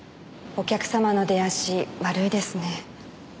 お客様の出足悪いですね。